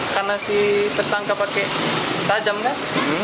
karena si tersangka pakai sajam kan